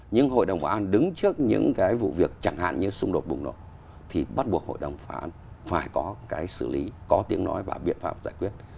nhưng hội đồng bà an đứng trước những cái vụ việc chẳng hạn như xung đột bùng nổ thì bắt buộc hội đồng phá án phải có cái xử lý có tiếng nói và biện pháp giải quyết